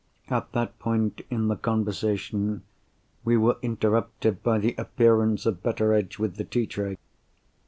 At that point in the conversation, we were interrupted by the appearance of Betteredge with the tea tray.